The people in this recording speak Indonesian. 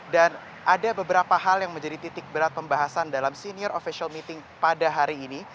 dan ada beberapa hal yang menjadi titik berat pembahasan dalam senior official meeting pada hari ini